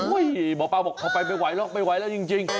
โอ๊ยหมอป้าบอกเข้าไปไม่ไหวไม่ไหวแล้วจริง